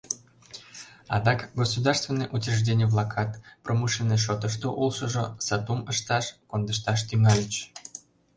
Адак государственный учреждений-влакат, промышленный шотышто улшыжо, сатум ышташ, кондышташ тӱҥальыч.